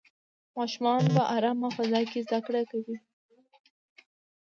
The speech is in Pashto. ماشومان په ارامه فضا کې زده کړې کوي.